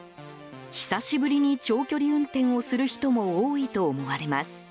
久しぶりに長距離運転をする人も多いと思われます。